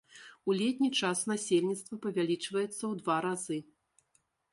У летні час насельніцтва павялічваецца ў два разы.